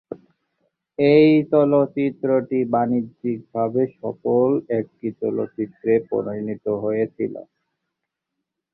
এই চলচ্চিত্রটি বাণিজ্যিক ভাবে সফল একটি চলচ্চিত্রে পরিণত হয়েছিল।